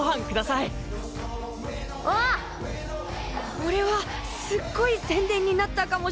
これはすっごい宣伝になったかもしれないぞ。